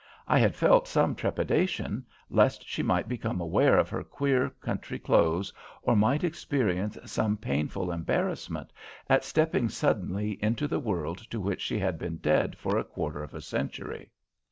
I had felt some trepidation lest she might become aware of her queer, country clothes, or might experience some painful embarrassment at stepping suddenly into the world to which she had been dead for a quarter of a century.